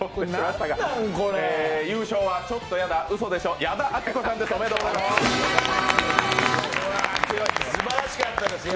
優勝は「ちょっとやだ、うそでしょ」の矢田亜希子さんでした。